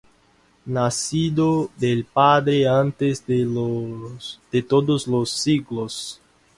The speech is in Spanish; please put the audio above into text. nacido del Padre antes de todos los siglos: